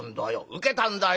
「受けたんだよ」。